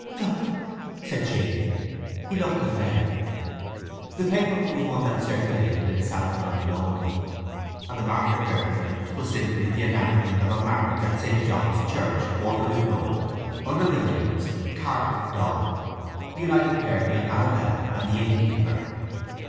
"Look!" said she. He looked and read. The paper was one that circulated in South London only, and the marked advertisement was simply the announcement of a marriage at St. John's Church, Waterloo Road, under the names, "CARTLETT——DONN"; the united pair being Arabella and the inn keeper.